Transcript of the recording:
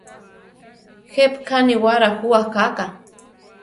¿Jepíka níwara jú akáka?